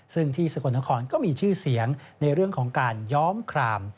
ซึ่งที่สกลนครก็มีชื่อเสียงในเรื่องของการย้อมคราม